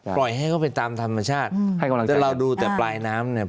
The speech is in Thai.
ปล่อยให้เขาไปตามธรรมชาติแต่เราดูแต่ปลายน้ำเนี่ย